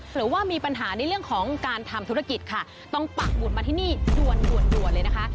หรือว่ามีปัญหาในเรื่องของการทำธุรกิจค่ะต้องปักบุตรมาที่นี่ด่วนด่วนเลยนะคะ